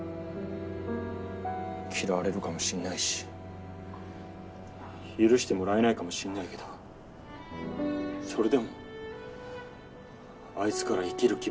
嫌われるかもしんないし許してもらえないかもしんないけどそれでもあいつから生きる希望を奪いたくなかった。